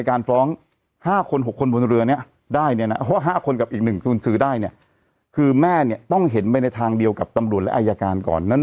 เอาข้อเท็จจริงอย่ามานั่งแบบโลกสวยกันนะ